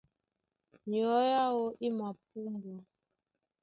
Nyɔ̌ áō í mapúmbwa.